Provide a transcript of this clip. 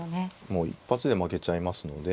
もう一発で負けちゃいますので。